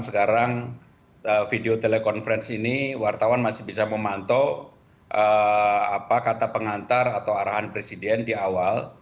sekarang video telekonferensi ini wartawan masih bisa memantau kata pengantar atau arahan presiden di awal